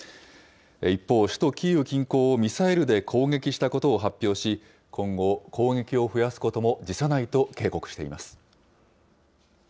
一方、首都キーウ近郊をミサイルで攻撃したことを発表し、今後、攻撃を増やすことも辞さないと警告しています。